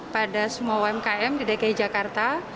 pada semua umkm di dki jakarta